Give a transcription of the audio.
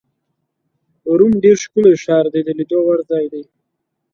روم ډېر ښکلی ښار دی، د لیدو وړ ځای دی.